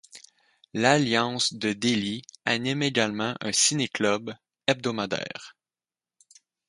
L'Alliance de Delhi anime également un ciné-club hebdomadaire..